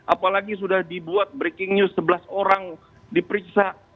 apalagi sudah dibuat breaking news sebelas orang diperiksa